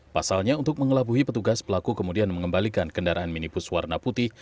pasalnya untuk mengelabuhi petugas pelaku kemudian mengembalikan kendaraan minibus warna putih